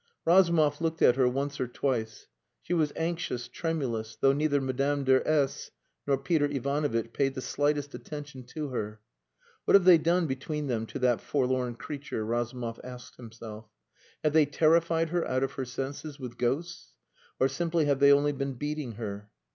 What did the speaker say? Razumov looked at her once or twice. She was anxious, tremulous, though neither Madame de S nor Peter Ivanovitch paid the slightest attention to her. "What have they done between them to that forlorn creature?" Razumov asked himself. "Have they terrified her out of her senses with ghosts, or simply have they only been beating her?"